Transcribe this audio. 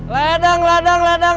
ladang ladang ladang